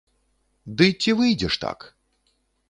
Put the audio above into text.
Ды ці выйдзе ж так?